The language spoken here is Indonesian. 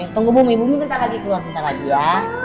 tunggu bumi bumi bentar lagi keluar bentar lagi ya